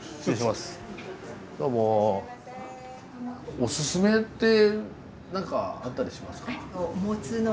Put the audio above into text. おすすめって何かあったりしますか？